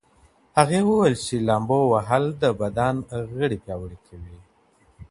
هغې وویل چې لامبو وهل د بدن غړي پیاوړي کوي.